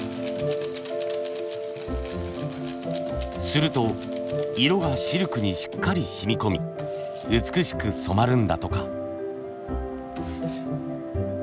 すると色がシルクにしっかり染み込み美しく染まるんだとか。